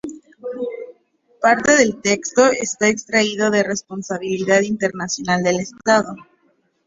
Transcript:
Parte del texto está extraído de Responsabilidad internacional del Estado